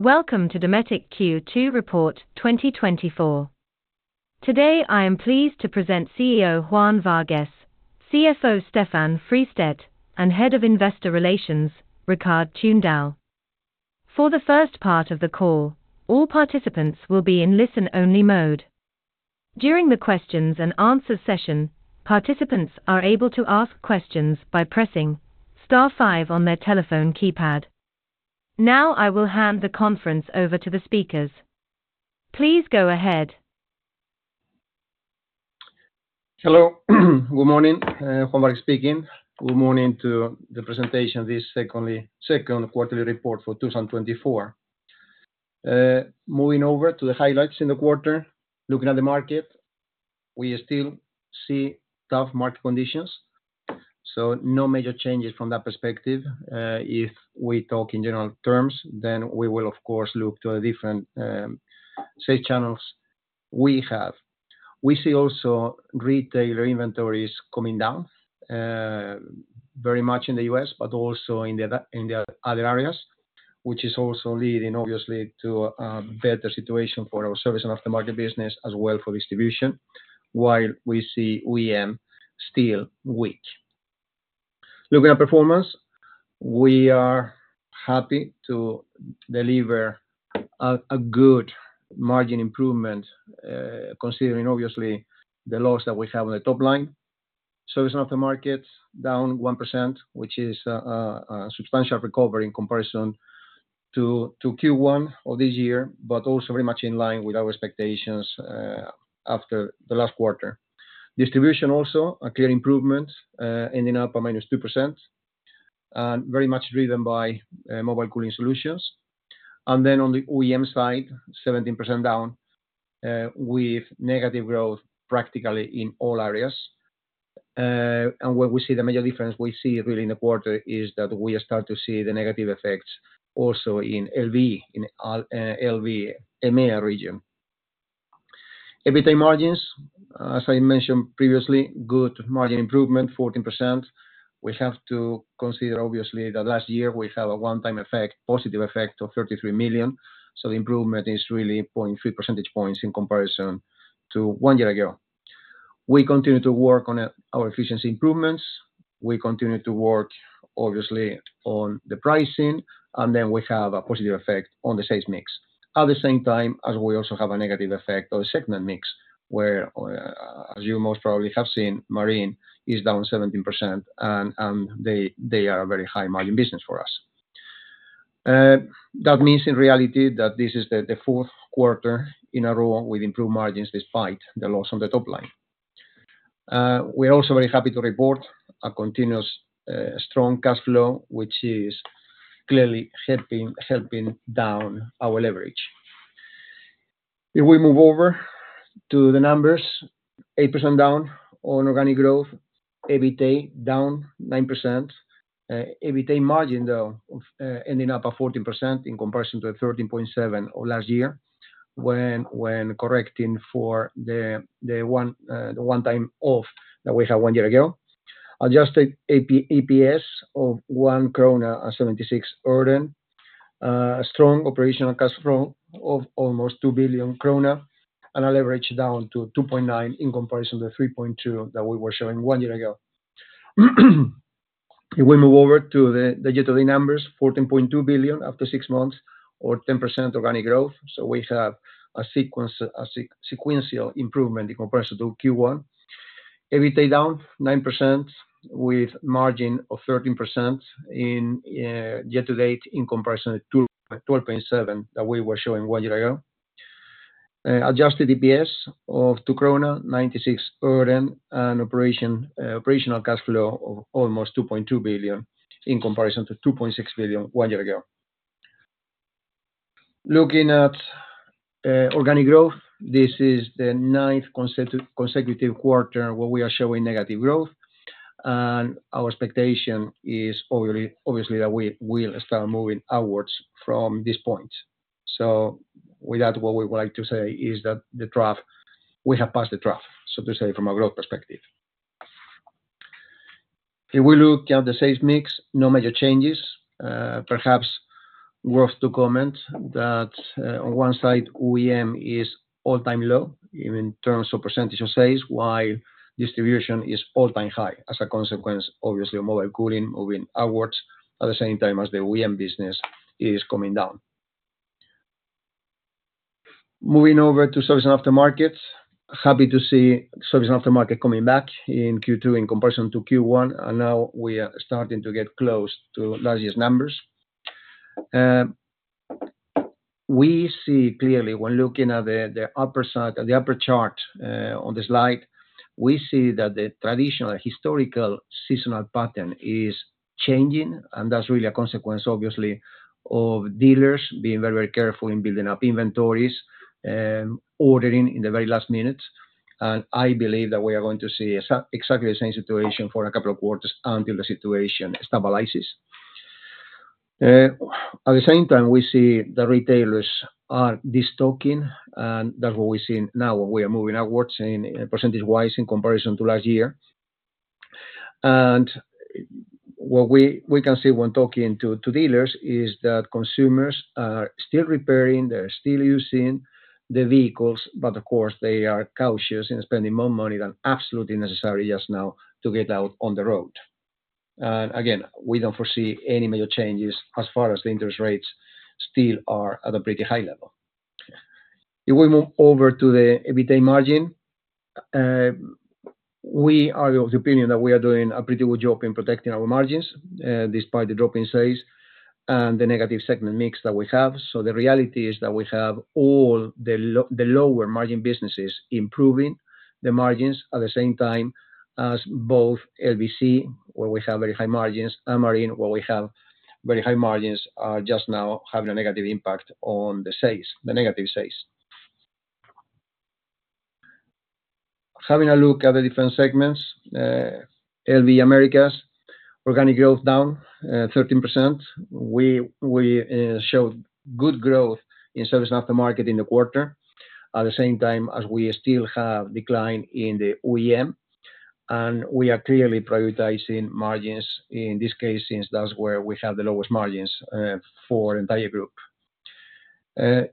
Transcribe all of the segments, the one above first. Welcome to Dometic Q2 Report 2024. Today, I am pleased to present CEO, Juan Vargues, CFO, Stefan Fristedt, and Head of Investor Relations, Rikard Tunedal. For the first part of the call, all participants will be in listen-only mode. During the questions and answers session, participants are able to ask questions by pressing star five on their telephone keypad. Now, I will hand the conference over to the speakers. Please go ahead. Hello. Good morning, Juan Vargues speaking. Good morning to the presentation, this second quarterly report for 2024. Moving over to the highlights in the quarter. Looking at the market, we still see tough market conditions, so no major changes from that perspective. If we talk in general terms, then we will, of course, look to the different sales channels we have. We see also retail inventories coming down very much in the U.S., but also in the other areas, which is also leading, obviously, to better situation for our service and aftermarket business as well for distribution, while we see OEM still weak. Looking at performance, we are happy to deliver a good margin improvement, considering obviously the loss that we have on the top line. So it's not the market, down 1%, which is a substantial recovery in comparison to Q1 of this year, but also very much in line with our expectations after the last quarter. Distribution also a clear improvement, ending up at -2%, and very much driven by mobile cooling solutions. And then on the OEM side, 17% down, with negative growth practically in all areas. And where we see the major difference, we see really in the quarter, is that we start to see the negative effects also in LV, in all LV, EMEA region. EBITDA margins, as I mentioned previously, good margin improvement, 14%. We have to consider obviously, that last year we have a one-time effect, positive effect of 33 million, so the improvement is really 0.3 percentage points in comparison to one year ago. We continue to work on our efficiency improvements. We continue to work obviously on the pricing, and then we have a positive effect on the sales mix. At the same time, as we also have a negative effect on the segment mix, where, as you most probably have seen, Marine is down 17%, and they are a very high margin business for us. That means in reality, that this is the fourth quarter in a row with improved margins despite the loss on the top line. We're also very happy to report a continuous strong cash flow, which is clearly helping down our leverage. If we move over to the numbers, 8% down on organic growth, EBITDA down 9%. EBITDA margin, though, ending up at 14% in comparison to the 13.7% of last year, when correcting for the one time off that we had one year ago. Adjusted EPS of 1.76 krona. Strong operational cash flow of almost 2 billion krona, and a leverage down to 2.9 in comparison to the 3.2 that we were showing one year ago. If we move over to the year-to-date numbers, 14.2 billion after six months or 10% organic growth. So we have a sequential improvement in comparison to Q1. EBITDA down 9% with margin of 13% in year to date, in comparison to 12.7% that we were showing one year ago. Adjusted EPS of 2.96 krona, and operational cash flow of almost 2.2 billion, in comparison to 2.6 billion one year ago. Looking at organic growth, this is the ninth consecutive quarter where we are showing negative growth, and our expectation is obviously, obviously, that we will start moving onwards from this point. So with that, what we would like to say is that the trough, we have passed the trough, so to say, from a growth perspective. If we look at the sales mix, no major changes. Perhaps worth to comment that on one side, OEM is all-time low in terms of percentage of sales, while distribution is all-time high. As a consequence, obviously, mobile cooling, moving upwards at the same time as the OEM business is coming down. Moving over to service and aftermarket, happy to see service and aftermarket coming back in Q2 in comparison to Q1, and now we are starting to get close to last year's numbers. We see clearly when looking at the upper side, the upper chart, on the slide, we see that the traditional historical seasonal pattern is changing, and that's really a consequence obviously, of dealers being very, very careful in building up inventories, ordering in the very last minute. I believe that we are going to see exactly the same situation for a couple of quarters until the situation stabilizes. At the same time, we see the retailers are destocking, and that's what we see now. We are moving upwards in percentage-wise in comparison to last year, and what we can see when talking to dealers is that consumers are still repairing, they're still using the vehicles, but of course, they are cautious in spending more money than absolutely necessary just now to get out on the road. And again, we don't foresee any major changes as far as the interest rates still are at a pretty high level. If we move over to the EBITDA margin, we are of the opinion that we are doing a pretty good job in protecting our margins, despite the drop in sales and the negative segment mix that we have. So the reality is that we have all the lower margin businesses improving the margins at the same time as both LV, where we have very high margins, and Marine, where we have very high margins, are just now having a negative impact on the sales, the negative sales. Having a look at the different segments, LV Americas, organic growth down 13%. We showed good growth in service aftermarket in the quarter, at the same time as we still have decline in the OEM, and we are clearly prioritizing margins in this case, since that's where we have the lowest margins for the entire group.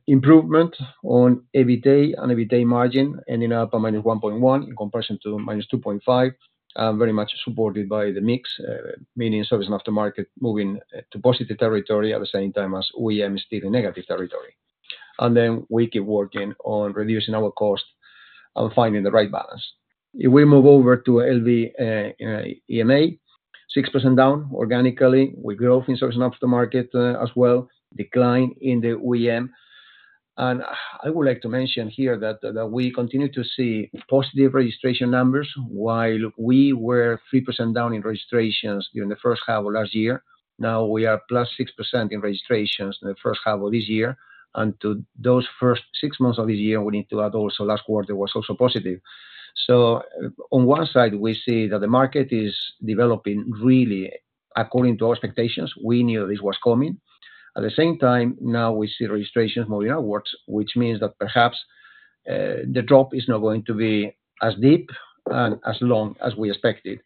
Improvement on EBITDA and EBITDA margin, ending up at -1.1 in comparison to -2.5, and very much supported by the mix, meaning service aftermarket, moving, to positive territory at the same time as OEM is still in negative territory. Then we keep working on reducing our cost and finding the right balance. If we move over to LV, EMEA, 6% down organically, with growth in service aftermarket, as well, decline in the OEM. I would like to mention here that we continue to see positive registration numbers. While we were 3% down in registrations during the first half of last year, now we are +6% in registrations in the first half of this year. To those first six months of this year, we need to add also last quarter was also positive. So on one side, we see that the market is developing really according to our expectations. We knew this was coming. At the same time, now we see registrations moving upwards, which means that perhaps the drop is not going to be as deep and as long as we expected.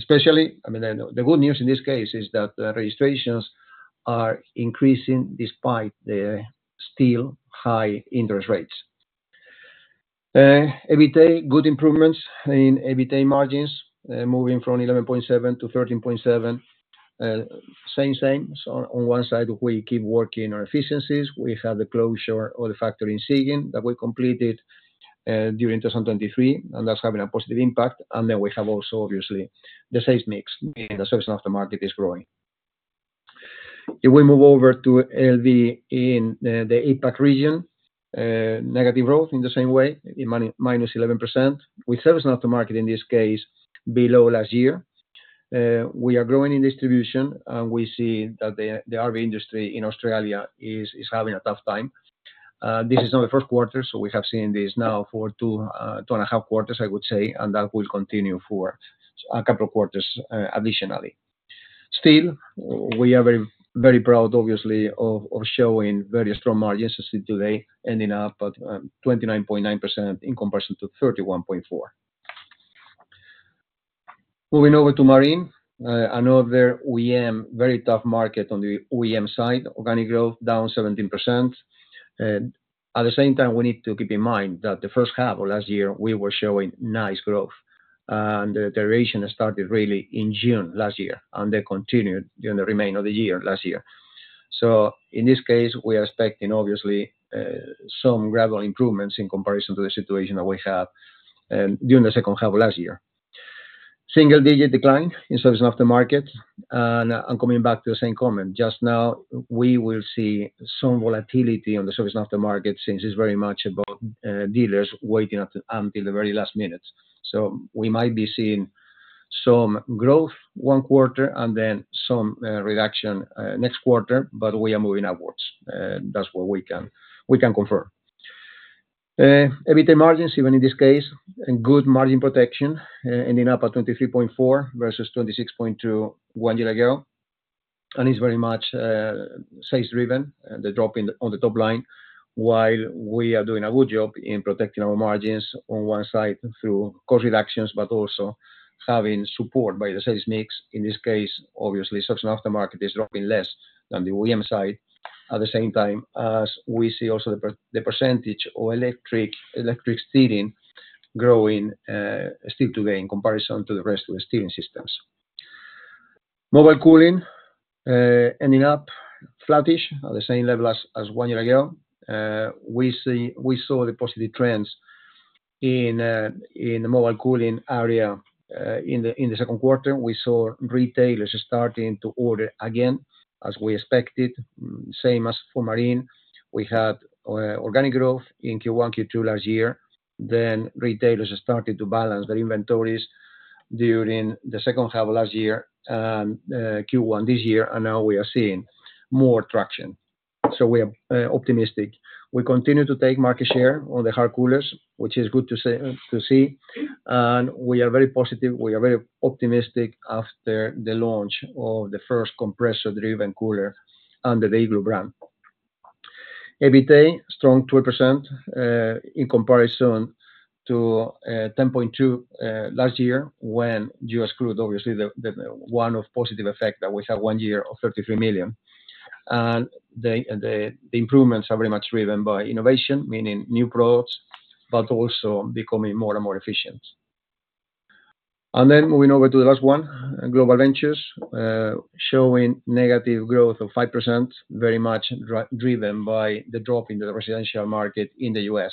Especially, I mean, the good news in this case is that the registrations are increasing despite the still high interest rates. EBITDA, good improvements in EBITDA margins, moving from 11.7 to 13.7. Same, same. So on one side, we keep working on efficiencies. We have the closure of the factory in Siegen that we completed during 2023, and that's having a positive impact. Then we have also, obviously, the sales mix, and the service aftermarket is growing. If we move over to LV in the APAC region, negative growth in the same way, minus 11%, with service aftermarket, in this case, below last year. We are growing in distribution, and we see that the RV industry in Australia is having a tough time. This is not the first quarter, so we have seen this now for two and a half quarters, I would say, and that will continue for a couple of quarters additionally. Still, we are very, very proud, obviously, of showing very strong margins today, ending up at 29.9% in comparison to 31.4%. Moving over to Marine, another OEM, very tough market on the OEM side, organic growth down 17%. At the same time, we need to keep in mind that the first half of last year, we were showing nice growth, and the deterioration started really in June last year, and then continued during the remainder of the year last year. So in this case, we are expecting, obviously, some gradual improvements in comparison to the situation that we had during the second half of last year. Single-digit decline in service aftermarket, and I'm coming back to the same comment. Just now, we will see some volatility on the service aftermarket, since it's very much about dealers waiting up until the very last minute. So we might be seeing some growth one quarter and then some reduction next quarter, but we are moving upwards. That's what we can, we can confirm. EBITDA margins, even in this case, a good margin protection, ending up at 23.4 versus 26.2 one year ago. It's very much sales driven, the drop on the top line, while we are doing a good job in protecting our margins on one side through cost reductions, but also having support by the sales mix. In this case, obviously, Service Aftermarket is dropping less than the OEM side. At the same time, as we see also the percentage of electric steering growing, still today in comparison to the rest of the steering systems. Mobile Cooling ending up flattish at the same level as one year ago. We saw the positive trends in the Mobile Cooling area in the second quarter. We saw retailers starting to order again, as we expected. Same as for Marine. We had organic growth in Q1, Q2 last year. Then, retailers started to balance their inventories during the second half of last year and Q1 this year, and now we are seeing more traction. So we are optimistic. We continue to take market share on the hard coolers, which is good to see, and we are very positive. We are very optimistic after the launch of the first compressor-driven cooler under the Igloo brand. EBITDA strong 12%, in comparison to 10.2% last year, when you exclude, obviously the one-off positive effect that we have one year of 33 million. And the improvements are very much driven by innovation, meaning new products, but also becoming more and more efficient. Then moving over to the last one, Global Ventures, showing negative growth of 5%, very much driven by the drop in the residential market in the U.S.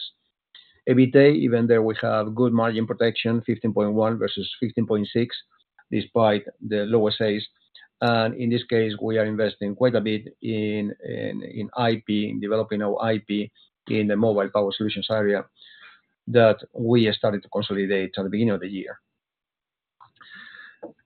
EBITDA, even there we have good margin protection, 15.1 versus 15.6, despite the lower sales. And in this case, we are investing quite a bit in IP, developing our IP in the mobile power solutions area, that we have started to consolidate at the beginning of the year.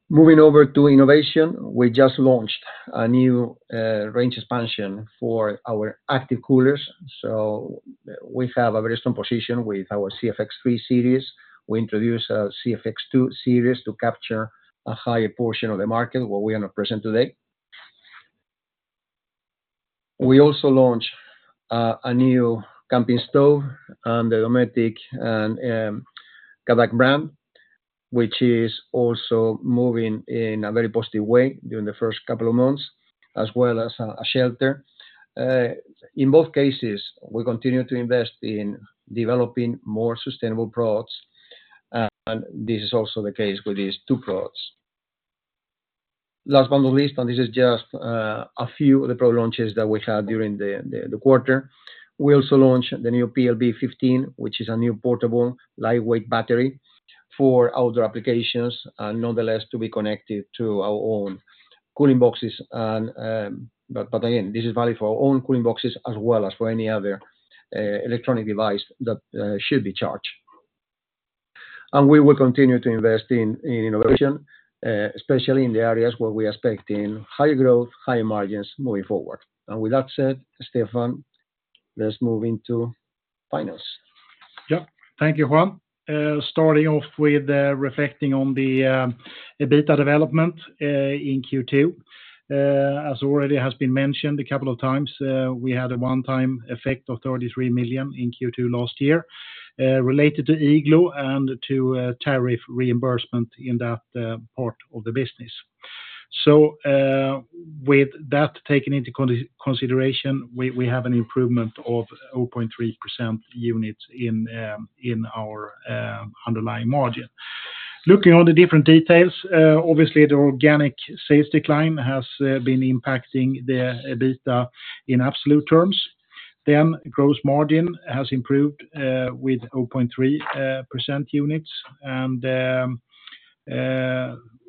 Moving over to innovation, we just launched a new range expansion for our active coolers. So we have a very strong position with our CFX3 series. We introduce a CFX2 series to capture a higher portion of the market, what we are going to present today. We also launch a new camping stove, under the Dometic, and CADAC brand, which is also moving in a very positive way during the first couple of months, as well as a shelter. In both cases, we continue to invest in developing more sustainable products, and this is also the case with these two products. Last but not least, and this is just a few of the product launches that we had during the quarter. We also launched the new PLB15, which is a new portable, lightweight battery for other applications, and nonetheless, to be connected to our own cooling boxes and... But again, this is valid for our own cooling boxes as well as for any other electronic device that should be charged. We will continue to invest in innovation, especially in the areas where we are expecting higher growth, higher margins moving forward. With that said, Stefan, let's move into finance. Yeah. Thank you, Juan. Starting off with reflecting on the EBITDA development in Q2. As already has been mentioned a couple of times, we had a one-time effect of 33 million in Q2 last year, related to Igloo and to tariff reimbursement in that part of the business. So, with that taken into consideration, we have an improvement of 0.3 percent units in our underlying margin. Looking at all the different details, obviously, the organic sales decline has been impacting the EBITDA in absolute terms. Then, gross margin has improved with 0.3 percent units. And,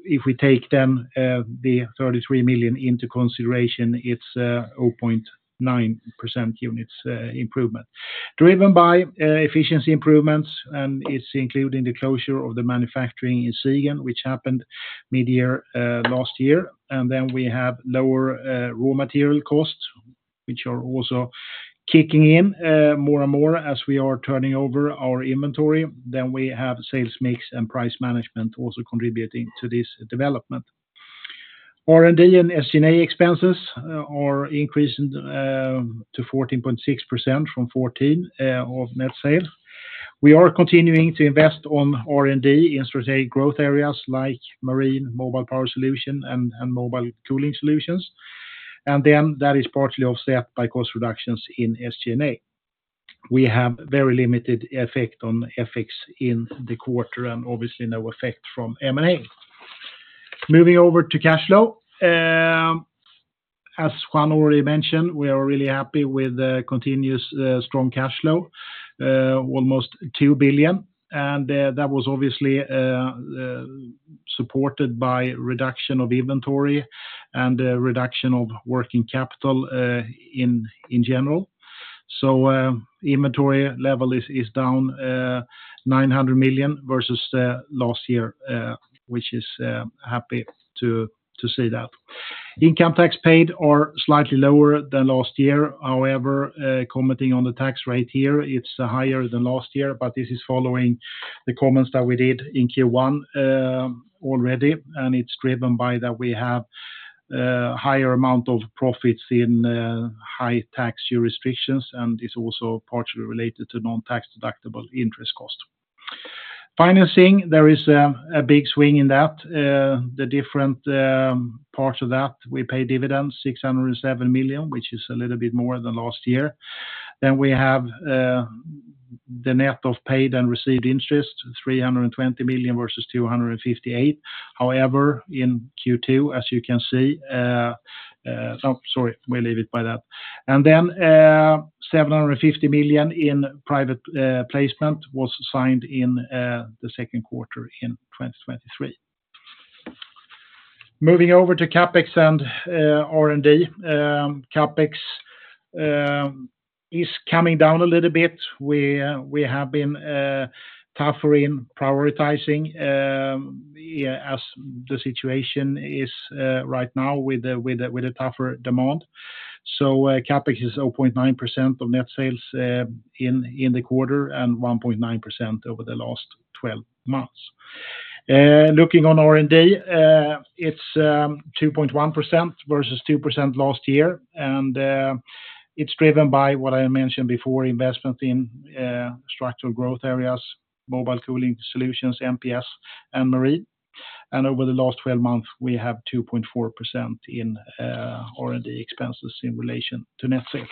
if we take then the 33 million into consideration, it's 0.9 percent units improvement. Driven by efficiency improvements, and it's including the closure of the manufacturing in Siegen, which happened midyear last year. And then we have lower raw material costs, which are also kicking in more and more as we are turning over our inventory. Then we have sales mix and price management also contributing to this development. R&D and SG&A expenses are increasing to 14.6% from 14% of net sales. We are continuing to invest on R&D in strategic growth areas like marine, mobile power solution, and mobile cooling solutions. And then that is partially offset by cost reductions in SG&A. We have very limited effect on FX in the quarter, and obviously, no effect from M&A. Moving over to cash flow. As Juan already mentioned, we are really happy with the continuous, strong cash flow, almost 2 billion. And, that was obviously, supported by reduction of inventory and, reduction of working capital, in general. So, inventory level is down, 900 million versus, last year, which is, happy to see that. Income tax paid are slightly lower than last year. However, commenting on the tax rate here, it's higher than last year, but this is following the comments that we did in Q1, already, and it's driven by that we have, higher amount of profits in, high tax jurisdictions, and it's also partially related to non-tax deductible interest cost. Financing, there is, a big swing in that. The different parts of that, we pay dividends, 607 million, which is a little bit more than last year. Then we have the net of paid and received interest, 320 million versus 258 million. However, in Q2, as you can see, we'll leave it by that. Then, 750 million in private placement was signed in the second quarter in 2023. Moving over to CapEx and R&D. CapEx is coming down a little bit. We have been tougher in prioritizing, yeah, as the situation is right now with the tougher demand. CapEx is 0.9% of net sales in the quarter, and 1.9% over the last twelve months. Looking on R&D, it's 2.1% versus 2% last year, and it's driven by what I mentioned before, investment in structural growth areas, mobile cooling solutions, MPS, and marine. And over the last twelve months, we have 2.4% in R&D expenses in relation to net sales.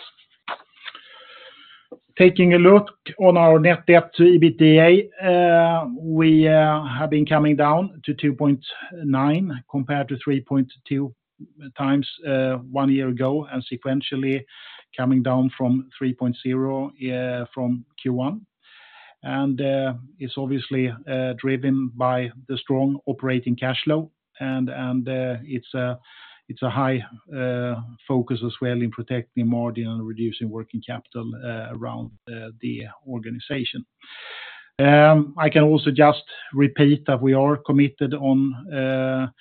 Taking a look on our net debt to EBITDA, we have been coming down to 2.9, compared to 3.2 times one year ago, and sequentially coming down from 3.0 from Q1. It's obviously driven by the strong operating cash flow, and it's a high focus as well in protecting margin and reducing working capital around the organization. I can also just repeat that we are committed on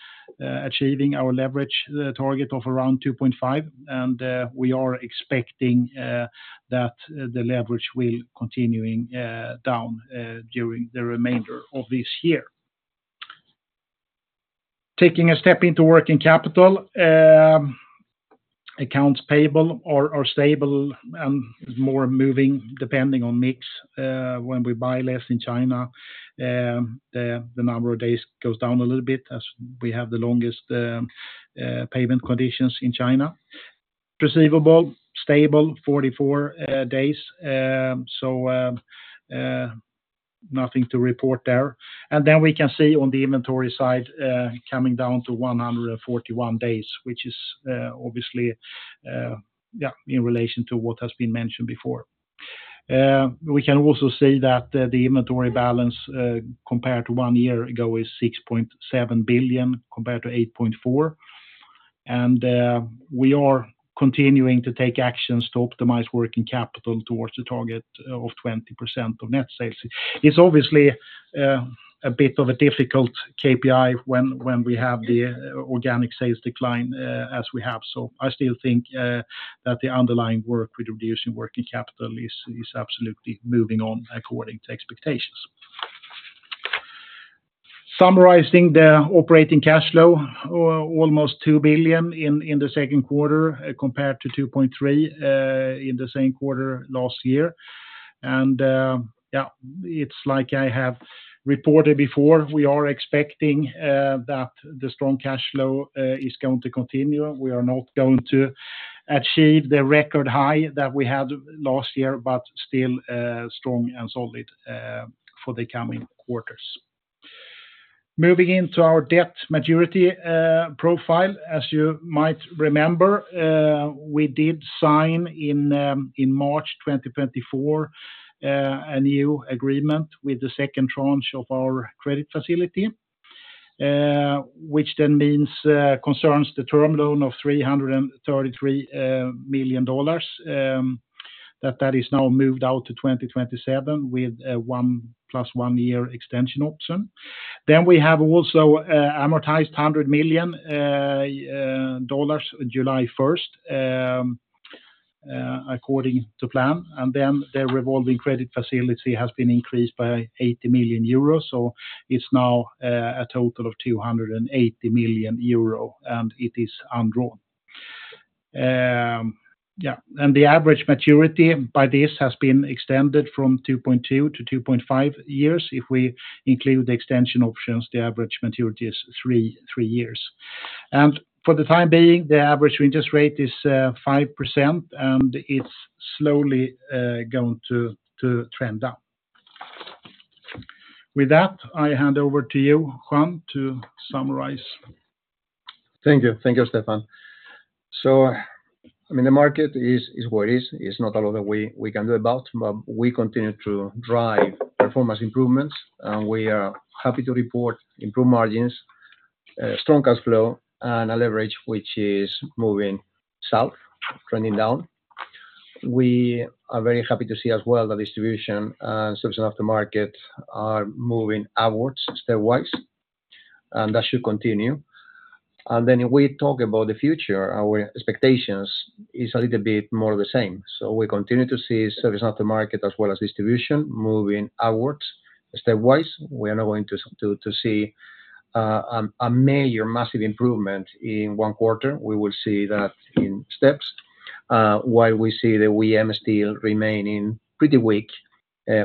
achieving our leverage, the target of around 2.5, and we are expecting that the leverage will continuing down during the remainder of this year. Taking a step into working capital, accounts payable are stable and more moving, depending on mix. When we buy less in China, the number of days goes down a little bit, as we have the longest payment conditions in China. Receivable, stable, 44 days, so nothing to report there. Then we can see on the inventory side, coming down to 141 days, which is, obviously, yeah, in relation to what has been mentioned before. We can also see that, the inventory balance, compared to one year ago, is 6.7 billion, compared to 8.4 billion. And, we are continuing to take actions to optimize working capital towards the target of 20% of net sales. It's obviously, a bit of a difficult KPI when, when we have the organic sales decline, as we have. So I still think, that the underlying work with reducing working capital is absolutely moving on according to expectations. Summarizing the operating cash flow, almost 2 billion in the second quarter, compared to 2.3 billion in the same quarter last year. Yeah, it's like I have reported before, we are expecting that the strong cash flow is going to continue. We are not going to achieve the record high that we had last year, but still, strong and solid for the coming quarters. Moving into our debt maturity profile, as you might remember, we did sign in March 2024 a new agreement with the second tranche of our credit facility, which then means concerns the term loan of $333 million, that that is now moved out to 2027, with a one + one year extension option. Then we have also amortized $100 million dollars July 1st according to plan. Then the revolving credit facility has been increased by 80 million euros, so it's now a total of 280 million euro, and it is undrawn. Yeah, and the average maturity by this has been extended from 2.2 to 2.5 years. If we include the extension options, the average maturity is three years. And for the time being, the average interest rate is 5%, and it's slowly going to trend up. With that, I hand over to you, Juan, to summarize. Thank you. Thank you, Stefan. So, I mean, the market is what it is. It's not a lot that we can do about, but we continue to drive performance improvements, and we are happy to report improved margins, strong cash flow, and a leverage which is moving south, trending down. We are very happy to see as well that distribution, service after market are moving upwards stepwise, and that should continue. And then we talk about the future, our expectations is a little bit more of the same. So we continue to see service after market, as well as distribution, moving upwards stepwise. We are not going to to see a major massive improvement in one quarter. We will see that in steps, while we see the OEM still remaining pretty weak,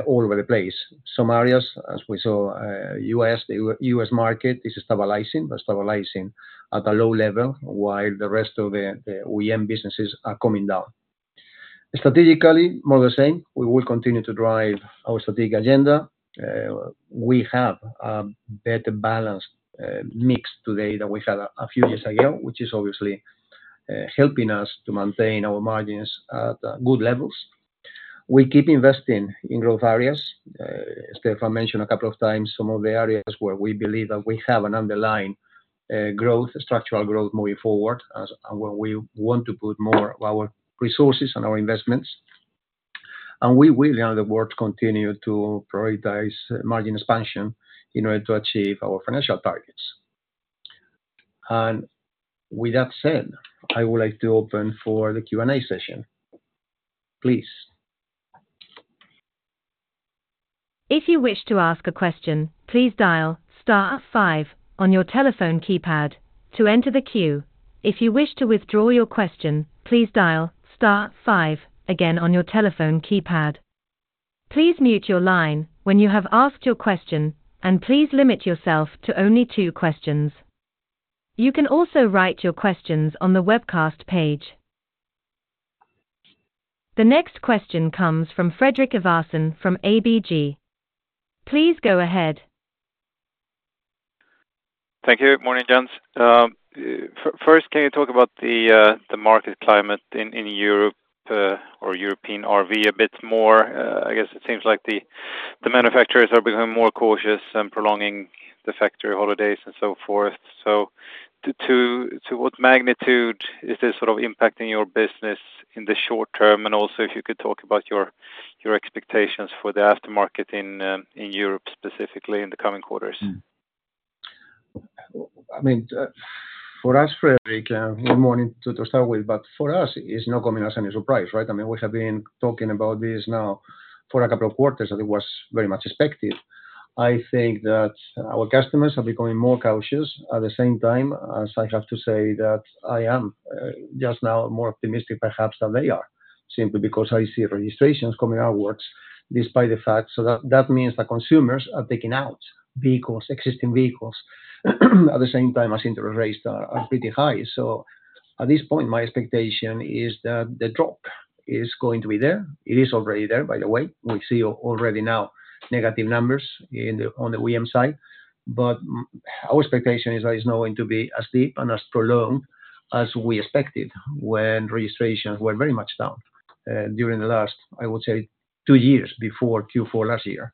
all over the place. Some areas, as we saw, US, US market is stabilizing, but stabilizing at a low level, while the rest of the OEM businesses are coming down. Strategically, more the same, we will continue to drive our strategic agenda. We have a better balanced mix today than we had a few years ago, which is obviously helping us to maintain our margins at good levels. We keep investing in growth areas. As Stefan mentioned a couple of times, some of the areas where we believe that we have an underlying growth, structural growth moving forward, and where we want to put more of our resources and our investments. And we will, down the road, continue to prioritize margin expansion in order to achieve our financial targets. And with that said, I would like to open for the Q&A session. Please. If you wish to ask a question, please dial star five on your telephone keypad to enter the queue. If you wish to withdraw your question, please dial star five again on your telephone keypad. Please mute your line when you have asked your question, and please limit yourself to only two questions. You can also write your questions on the webcast page. The next question comes from Fredrik Ivarsson from ABG. Please go ahead. Thank you. Morning, gents. First, can you talk about the market climate in Europe or European RV a bit more? I guess it seems like the manufacturers are becoming more cautious and prolonging the factory holidays and so forth. So to what magnitude is this sort of impacting your business in the short term, and also if you could talk about your expectations for the aftermarket in Europe, specifically in the coming quarters? I mean, for us, Fredrik, good morning, to start with, but for us, it's not coming as any surprise, right? I mean, we have been talking about this now for a couple of quarters, and it was very much expected. I think that our customers are becoming more cautious at the same time as I have to say that I am just now more optimistic perhaps than they are. Simply because I see registrations coming outwards despite the fact so that, that means that consumers are taking out vehicles, existing vehicles, at the same time as interest rates are pretty high. So at this point, my expectation is that the drop is going to be there. It is already there, by the way. We see already now negative numbers in on the OEM side, but our expectation is that it's not going to be as deep and as prolonged as we expected when registrations were very much down during the last, I would say, two years, before Q4 last year.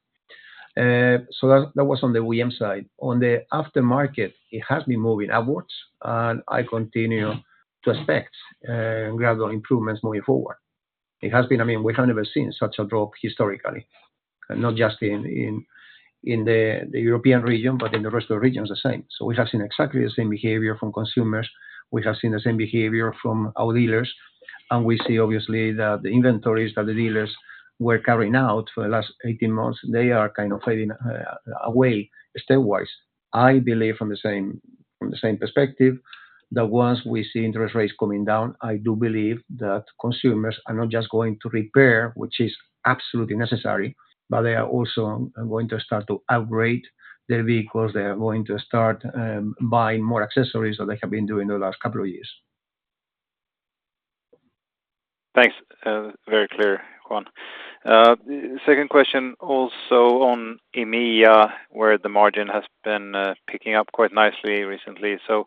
So that, that was on the OEM side. On the aftermarket, it has been moving upwards, and I continue to expect gradual improvements moving forward. It has been, I mean, we have never seen such a drop historically, not just in the European region, but in the rest of the regions the same. So we have seen exactly the same behavior from consumers, we have seen the same behavior from our dealers, and we see obviously that the inventories that the dealers were carrying out for the last 18 months, they are kind of fading away stepwise. I believe from the same, from the same perspective, that once we see interest rates coming down, I do believe that consumers are not just going to repair, which is absolutely necessary, but they are also going to start to upgrade their vehicles. They are going to start buying more accessories than they have been doing the last couple of years. Thanks. Very clear, Juan. Second question, also on EMEA, where the margin has been picking up quite nicely recently. So,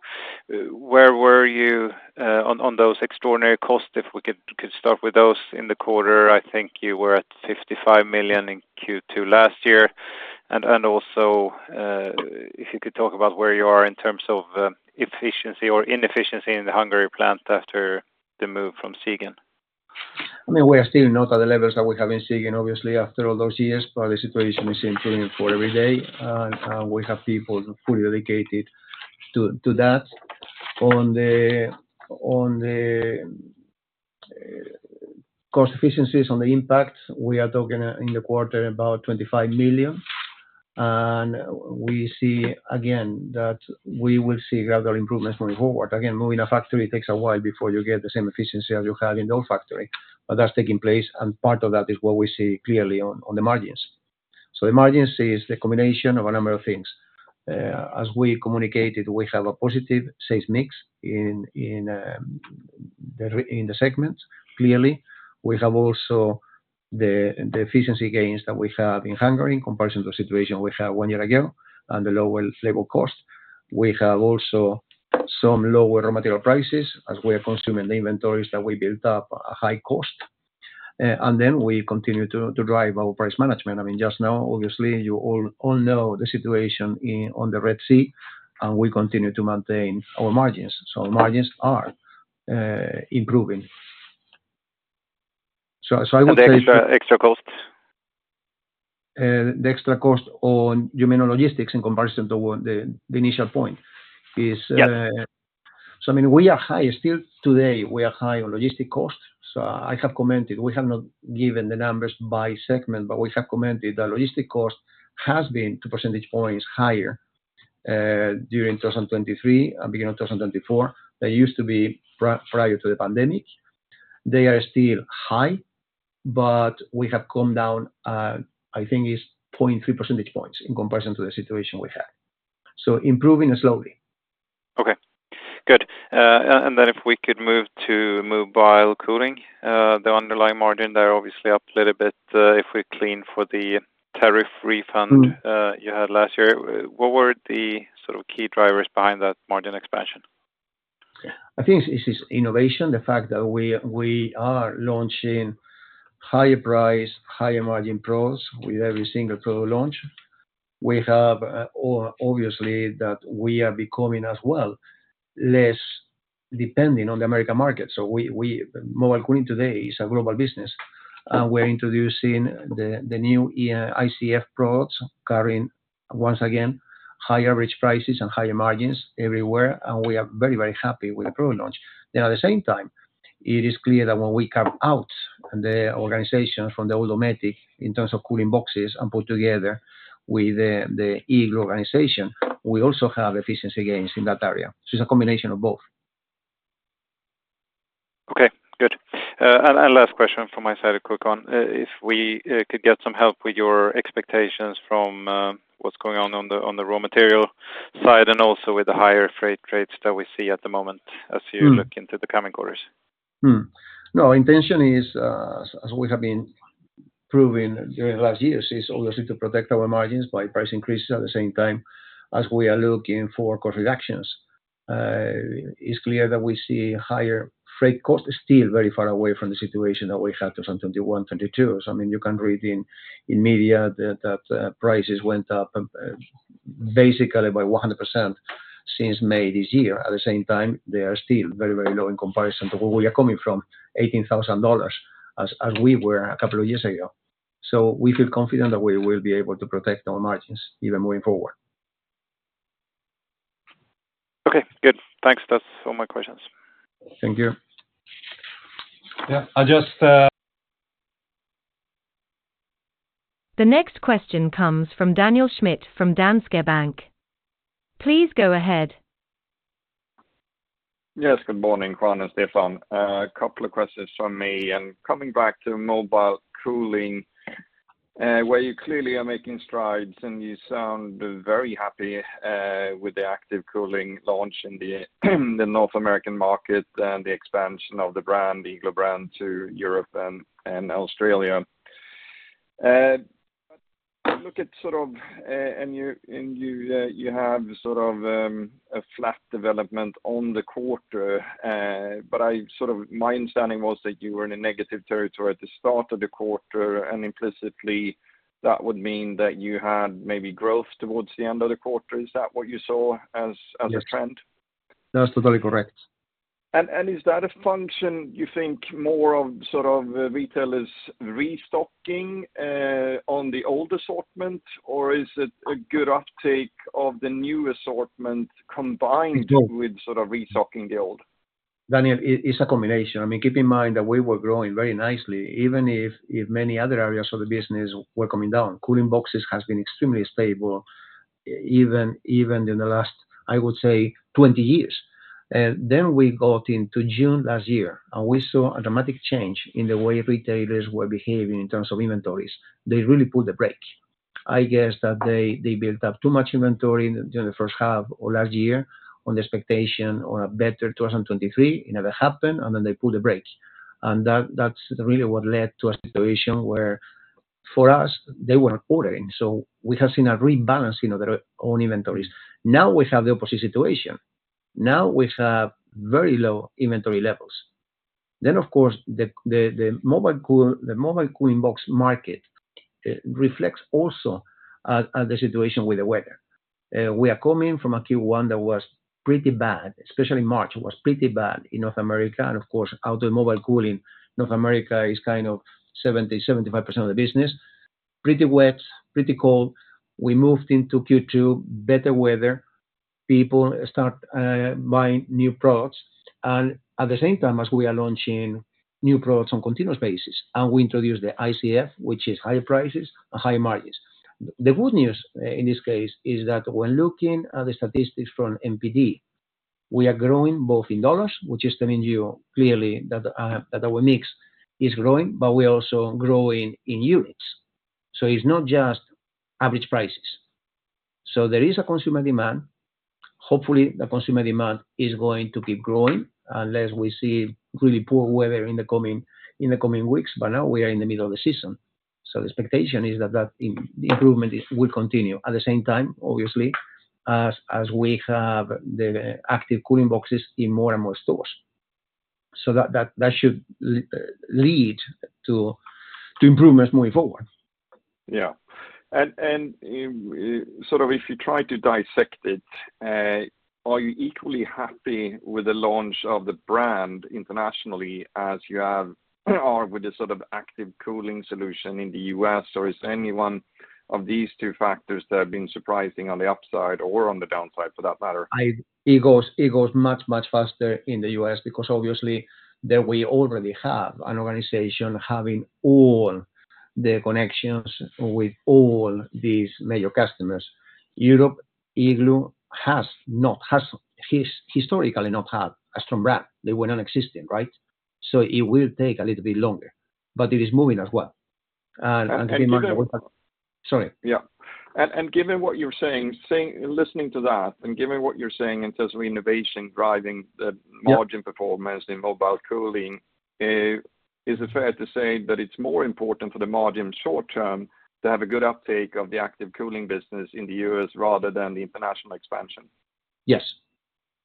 where were you on those extraordinary costs, if we could start with those in the quarter? I think you were at 55 million in Q2 last year. And also, if you could talk about where you are in terms of efficiency or inefficiency in the Hungary plant after the move from Siegen. I mean, we are still not at the levels that we have in Siegen, obviously, after all those years, but the situation is improving for every day. And, we have people fully dedicated to that. On the cost efficiencies, on the impact, we are talking in the quarter about 25 million, and we see again, that we will see gradual improvements moving forward. Again, moving a factory takes a while before you get the same efficiency as you have in the old factory, but that's taking place, and part of that is what we see clearly on the margins. So the margins is the combination of a number of things. As we communicated, we have a positive sales mix in the segments. Clearly, we have also the efficiency gains that we have in Hungary in comparison to the situation we had one year ago and the lower labor cost. We have also some lower raw material prices as we are consuming the inventories that we built up at high cost, and then we continue to drive our price management. I mean, just now, obviously, you all know the situation on the Red Sea, and we continue to maintain our margins. So margins are improving. So I would say- The extra, extra cost? The extra cost on, you mean on logistics in comparison to what the initial point is? Yeah. So, I mean, we are high. Still today, we are high on logistics costs. So I have commented, we have not given the numbers by segment, but we have commented the logistics cost has been two percentage points higher during 2023 and beginning of 2024. They used to be prior to the pandemic. They are still high, but we have come down, I think it's 0.3 percentage points in comparison to the situation we had. So improving slowly. Okay, good. And then if we could move to Mobile Cooling, the underlying margin there obviously up a little bit, if we clean for the tariff refund- Mm. you had last year. What were the sort of key drivers behind that margin expansion? I think this is innovation, the fact that we are launching higher price, higher margin products with every single product launch. We have obviously that we are becoming as well less depending on the American market. So mobile cooling today is a global business, and we're introducing the new ICF products, carrying once again high average prices and higher margins everywhere, and we are very, very happy with the product launch. Then at the same time, it is clear that when we come out the organization from the automotive, in terms of cooling boxes and put together with the Igloo organization, we also have efficiency gains in that area. So it's a combination of both. Okay, good. Last question from my side, a quick one. If we could get some help with your expectations from what's going on on the raw material side, and also with the higher freight rates that we see at the moment, as you- Mm. look into the coming quarters. No, intention is, as we have been proving during the last years, is obviously to protect our margins by price increases at the same time as we are looking for cost reductions. It's clear that we see higher freight costs still very far away from the situation that we had from 2021, 2022. So, I mean, you can read in media that prices went up basically by 100% since May this year. At the same time, they are still very, very low in comparison to where we are coming from, $18,000, as we were a couple of years ago. So we feel confident that we will be able to protect our margins even moving forward. Okay, good. Thanks. That's all my questions. Thank you. Yeah, I'll just, The next question comes from Daniel Schmidt, from Danske Bank. Please go ahead. Yes, good morning, Juan and Stefan. A couple of questions from me. And coming back to mobile cooling, where you clearly are making strides, and you sound very happy with the active cooling launch in the North American market and the expansion of the brand, the Igloo brand, to Europe and Australia. But look at sort of, and you, you have sort of a flat development on the quarter. But I sort of... My understanding was that you were in a negative territory at the start of the quarter, and implicitly, that would mean that you had maybe growth towards the end of the quarter. Is that what you saw as a trend? Yes. That's totally correct. And is that a function you think more of, sort of, retailers restocking on the old assortment, or is it a good uptake of the new assortment combined- Both... with sort of restocking the old? Daniel, it's a combination. I mean, keep in mind that we were growing very nicely, even if many other areas of the business were coming down. Cooling boxes has been extremely stable, even in the last, I would say, 20 years. Then we got into June last year, and we saw a dramatic change in the way retailers were behaving in terms of inventories. They really put the brake. I guess that they built up too much inventory during the first half of last year on the expectation on a better 2023. It never happened, and then they pulled the brake. And that's really what led to a situation where, for us, they were ordering. So we have seen a rebalance in their own inventories. Now, we have the opposite situation. Now, we have very low inventory levels. Then, of course, the mobile cooling box market reflects also the situation with the weather. We are coming from a Q1 that was pretty bad, especially March was pretty bad in North America. And of course, out of Mobile Cooling, North America is kind of 70%-75% of the business. Pretty wet, pretty cold. We moved into Q2, better weather. People start buying new products. And at the same time, as we are launching new products on continuous basis, and we introduce the ICF, which is higher prices and higher margins. The good news in this case is that when looking at the statistics from NPD, we are growing both in dollars, which is telling you clearly that our mix is growing, but we're also growing in units. So it's not just average prices. So there is a consumer demand. Hopefully, the consumer demand is going to keep growing, unless we see really poor weather in the coming weeks, but now we are in the middle of the season. So the expectation is that that improvement is, will continue. At the same time, obviously, as we have the active cooling boxes in more and more stores. So that should lead to improvements moving forward. Yeah. Sort of, if you try to dissect it, are you equally happy with the launch of the brand internationally as you have, or with the sort of active cooling solution in the US, or is there any one of these two factors that have been surprising on the upside or on the downside, for that matter? It goes, it goes much, much faster in the U.S. because obviously, there we already have an organization having all the connections with all these major customers. Europe, Igloo, has not, has historically not had a strong brand. They were nonexistent, right? So it will take a little bit longer, but it is moving as well. And, and given- And given- Sorry. Yeah. And given what you're saying, listening to that, and given what you're saying in terms of innovation driving the- Yeah... margin performance in Mobile Cooling, is it fair to say that it's more important for the margin short term to have a good uptake of the active cooling business in the U.S., rather than the international expansion? Yes.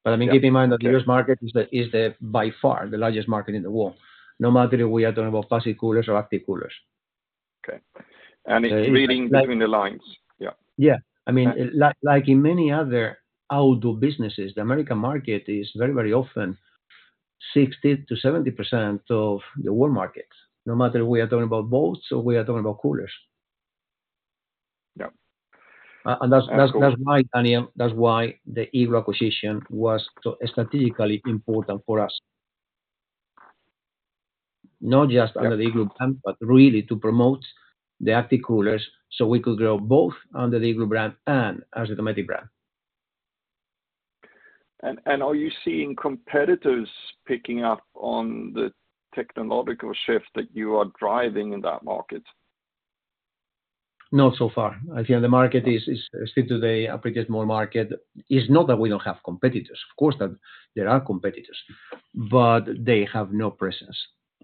Yeah. I mean, keep in mind that the U.S. market is, by far, the largest market in the world, no matter if we are talking about passive coolers or active coolers.... and it's reading between the lines. Yeah. Yeah. I mean, like, like in many other outdoor businesses, the American market is very, very often 60%-70% of the world market, no matter we are talking about boats or we are talking about coolers. Yeah. And that's why, Daniel, that's why the Igloo acquisition was so strategically important for us. Not just under the Igloo brand, but really to promote the active coolers, so we could grow both under the Igloo brand and as a Dometic brand. Are you seeing competitors picking up on the technological shift that you are driving in that market? Not so far. I think the market is still today a pretty small market. It's not that we don't have competitors, of course, there are competitors, but they have no presence,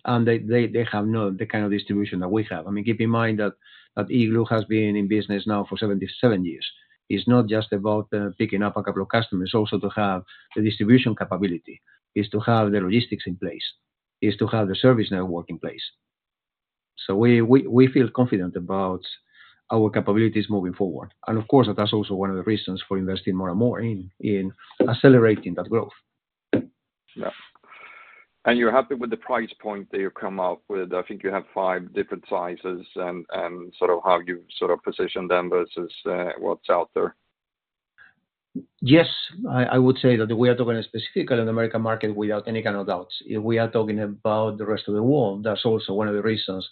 and they have not the kind of distribution that we have. I mean, keep in mind that Igloo has been in business now for 77 years. It's not just about picking up a couple of customers, also to have the distribution capability, is to have the logistics in place, is to have the service network in place. So we feel confident about our capabilities moving forward. And of course, that's also one of the reasons for investing more and more in accelerating that growth. Yeah. And you're happy with the price point that you've come up with? I think you have five different sizes and sort of how you've sort of positioned them versus what's out there. Yes, I would say that we are talking specifically in the American market without any kind of doubts. If we are talking about the rest of the world, that's also one of the reasons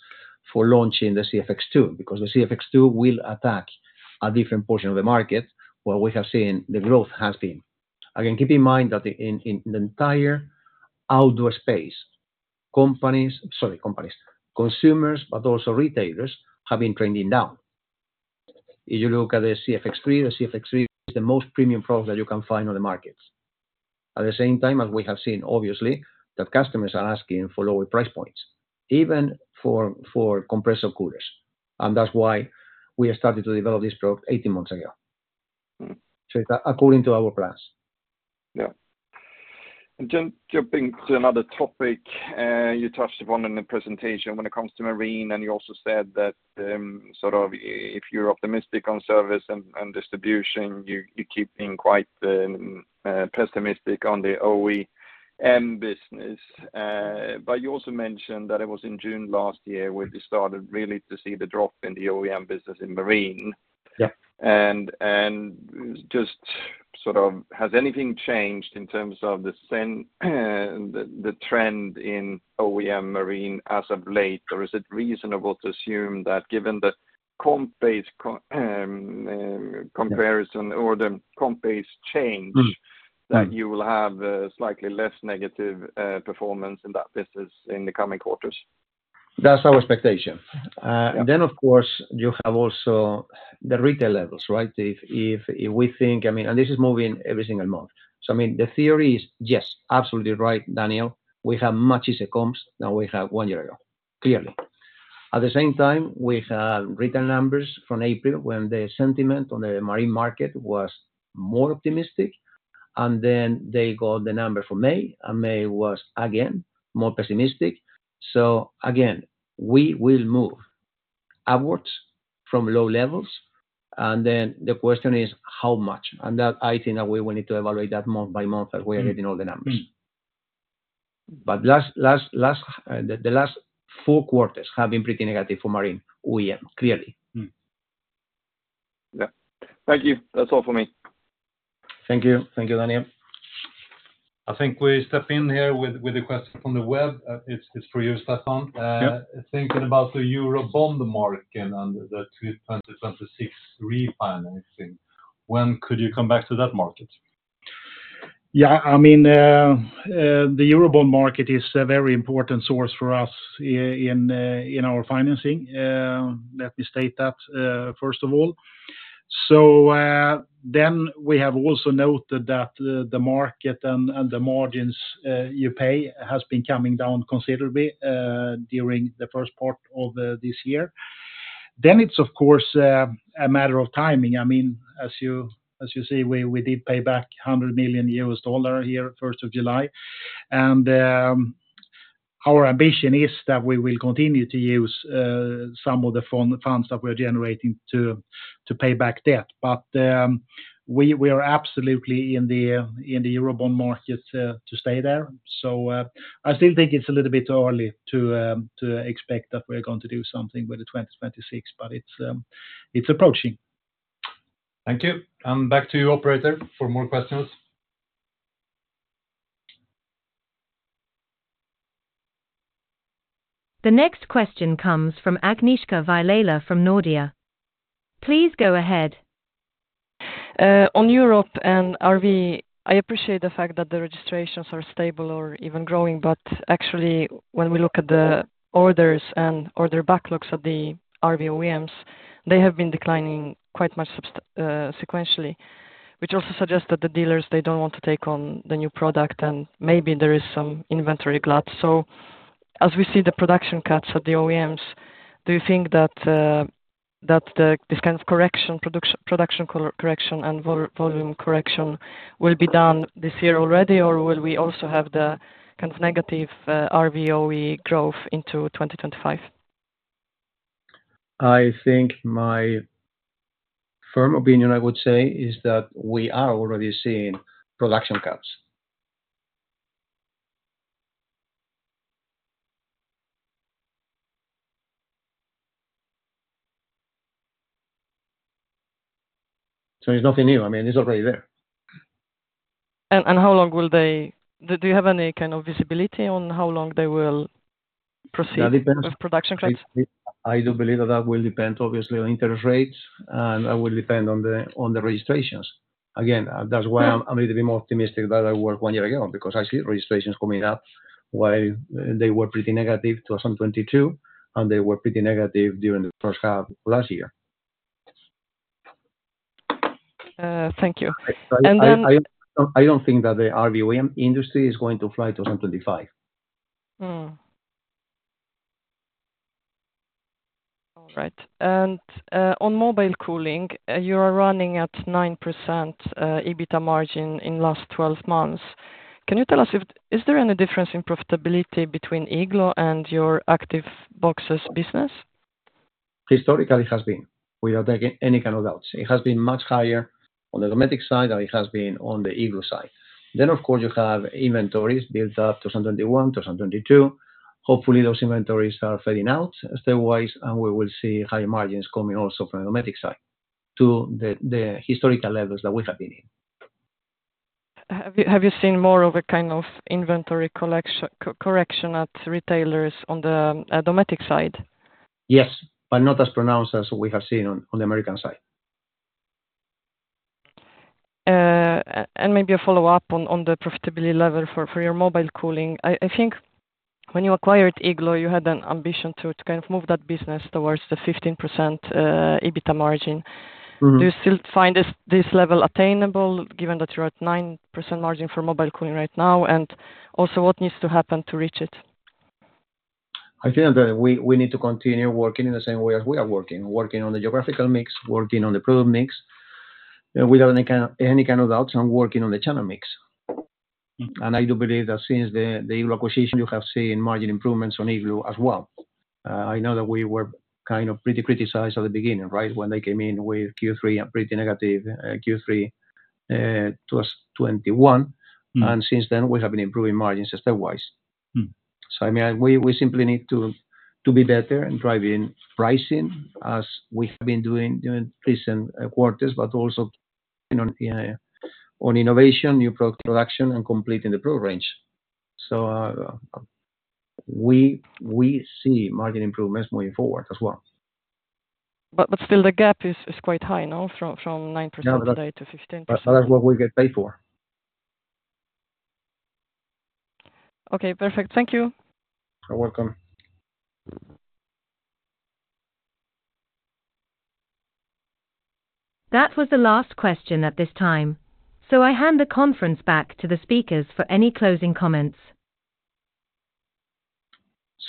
for launching the CFX2. Because the CFX2 will attack a different portion of the market, where we have seen the growth has been. Again, keep in mind that in the entire outdoor space, companies, consumers, but also retailers, have been trending down. If you look at the CFX3, the CFX3 is the most premium product that you can find on the markets. At the same time, as we have seen, obviously, that customers are asking for lower price points, even for compressor coolers, and that's why we have started to develop this product 18 months ago. Mm. According to our plans. Yeah. And jumping to another topic, you touched upon in the presentation when it comes to marine, and you also said that, sort of if you're optimistic on service and distribution, you keep being quite pessimistic on the OEM business. But you also mentioned that it was in June last year, where you started really to see the drop in the OEM business in marine. Yeah. And just sort of, has anything changed in terms of the trend in OEM Marine as of late? Or is it reasonable to assume that given the comp-based comparison or the comp-based change- Mm, mm... that you will have, slightly less negative, performance in that business in the coming quarters? That's our expectation. Yeah. Then, of course, you have also the retail levels, right? If we think, I mean... And this is moving every single month. So I mean, the theory is, yes, absolutely right, Daniel. We have much easier comps than we had one year ago, clearly. At the same time, we have retail numbers from April, when the sentiment on the marine market was more optimistic, and then they got the number for May, and May was again, more pessimistic. So again, we will move upwards from low levels, and then the question is how much? And that I think that we will need to evaluate that month by month as we are getting all the numbers. Mm. But the last four quarters have been pretty negative for Marine OEM, clearly. Mm. Yeah. Thank you. That's all for me. Thank you. Thank you, Daniel. I think we step in here with a question from the web. It's for you, Stefan. Yeah. Thinking about the Euro bond market and the 2026 refinancing, when could you come back to that market? Yeah, I mean, the Euro bond market is a very important source for us in our financing. Let me state that first of all. So, then we have also noted that the market and the margins you pay has been coming down considerably during the first part of this year. Then it's of course a matter of timing. I mean, as you say, we did pay back EUR 100 million here first of July. And our ambition is that we will continue to use some of the funds that we're generating to pay back debt. But we are absolutely in the Euro bond market to stay there. I still think it's a little bit early to expect that we're going to do something with the 2026, but it's approaching. Thank you. Back to you, operator, for more questions. The next question comes from Agnieszka Vilela from Nordea. Please go ahead. On Europe and RV, I appreciate the fact that the registrations are stable or even growing, but actually, when we look at the orders and order backlogs of the RV OEMs, they have been declining quite substantially sequentially. Which also suggests that the dealers, they don't want to take on the new product, and maybe there is some inventory glut. So as we see the production cuts of the OEMs, do you think that this kind of correction, production correction and volume correction will be done this year already? Or will we also have the kind of negative RV OE growth into 2025?... I think my firm opinion, I would say, is that we are already seeing production cuts. So it's nothing new. I mean, it's already there. And do you have any kind of visibility on how long they will proceed? That depends- -with production cuts? I do believe that that will depend obviously on interest rates, and that will depend on the registrations. Again, that's why I'm a little bit more optimistic about our work one year ago, because I see registrations coming up, while they were pretty negative in 2022, and they were pretty negative during the first half of last year. Thank you. I, I- And then- I don't think that the RV industry is going to fly to summer 25. All right. On mobile cooling, you are running at 9% EBITDA margin in the last 12 months. Can you tell us if there is any difference in profitability between Igloo and your Active Boxes business? Historically, it has been, without any kind of doubt. It has been much higher on the domestic side than it has been on the Igloo side. Then, of course, you have inventories built up to summer 21, to summer 22. Hopefully, those inventories are fading out stepwise, and we will see higher margins coming also from the domestic side to the historical levels that we have been in. Have you seen more of a kind of inventory correction at retailers on the Dometic side? Yes, but not as pronounced as we have seen on the American side. And maybe a follow-up on the profitability level for your mobile cooling. I think when you acquired Igloo, you had an ambition to kind of move that business towards the 15% EBITDA margin. Mm-hmm. Do you still find this, this level attainable, given that you're at 9% margin for Mobile Cooling right now? And also, what needs to happen to reach it? I think that we need to continue working in the same way as we are working on the geographical mix, working on the product mix, and without any kind of doubts, I'm working on the channel mix. And I do believe that since the Igloo acquisition, you have seen margin improvements on Igloo as well. I know that we were kind of pretty criticized at the beginning, right? When they came in with Q3 and pretty negative Q3 to us, 21. Mm. And since then, we have been improving margins stepwise. Mm. So I mean, we simply need to be better in driving pricing, as we have been doing during recent quarters, but also on innovation, new production, and completing the pro range. So, we see margin improvements moving forward as well. But still the gap is quite high, no, from 9% today to 15%? But that's what we get paid for. Okay, perfect. Thank you. You're welcome. That was the last question at this time. So I hand the conference back to the speakers for any closing comments.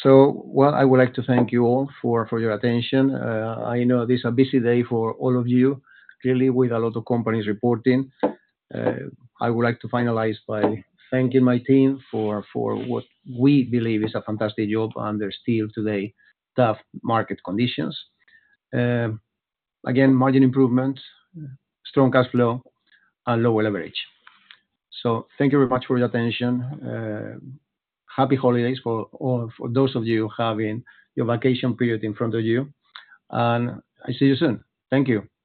Well, I would like to thank you all for your attention. I know this is a busy day for all of you, clearly, with a lot of companies reporting. I would like to finalize by thanking my team for what we believe is a fantastic job under still today, tough market conditions. Again, margin improvements, strong cash flow, and lower leverage. So thank you very much for your attention. Happy holidays for all, for those of you having your vacation period in front of you, and I see you soon. Thank you.